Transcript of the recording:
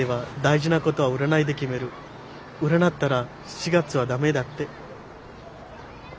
占ったら７月は駄目だって。